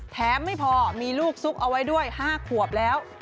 ไม่พอมีลูกซุกเอาไว้ด้วย๕ขวบแล้ว